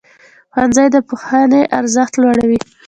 ښوونځی د پوهنې ارزښت لوړوي.